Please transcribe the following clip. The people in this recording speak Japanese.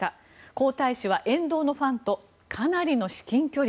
皇太子は沿道のファンとかなりの至近距離。